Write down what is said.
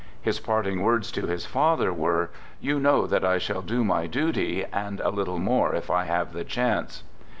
His parting words to his father were: " You know that I shall do my duty, and a little more if I have the chance."